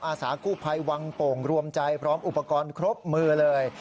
อาสากู้ภัยวังโป่งรวมใจพร้อมอุปกรณ์ครบมือเลย